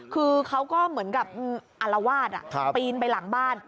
คือเขาก็เหมือนกับอารวาสปีนไปหลังบ้าน